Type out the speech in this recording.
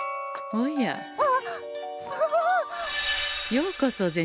ようこそ銭